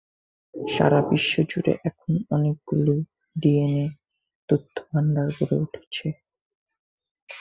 সারা বিশ্ব জুড়ে এখন অনেক গুলি ডিএনএ তথ্য ভাণ্ডার গড়ে উঠেছে।